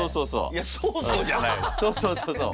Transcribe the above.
そうそうそうそう。